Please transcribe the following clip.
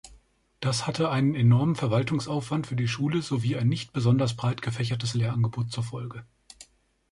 Das hatte einen enormen Verwaltungsaufwand für die Schule sowie ein nicht besonders breit gefächertes Lehrangebot zur Folge.